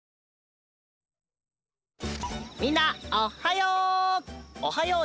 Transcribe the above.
みんなおっはよう！